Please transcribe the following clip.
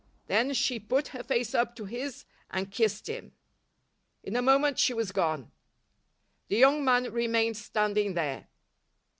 Then she put her face up to his and kissed him. In a moment she was gone. The young man remained standing there.